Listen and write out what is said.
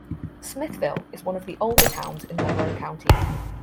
Smithville is one of the older towns in Monroe county.